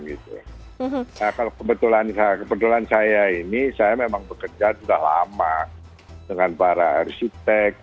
nah kalau kebetulan saya ini saya memang bekerja sudah lama dengan para arsitek